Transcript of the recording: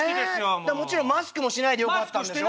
もちろんマスクもしないでよかったんでしょ？